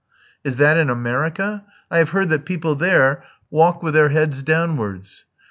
"Is that in America? I have heard that people there walk with their heads downwards."